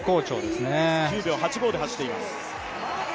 ９秒８５で走っています。